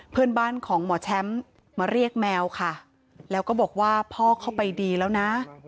เพื่อนบ้านของหมอแชมป์มาเรียกแมวค่ะแล้วก็บอกว่าพ่อเข้าไปดีแล้วนะ